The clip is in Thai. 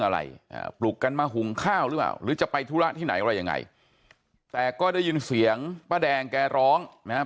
ไหนอะไรยังไงแต่ก็ได้ยินเสียงป้าแดงแกร้องนะฮะ